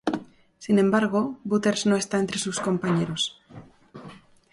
Sin embargo, Butters no está entre sus compañeros.